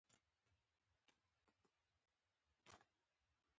دغه توپیرونه په لومړي سر کې کوچني ګڼل کېدل.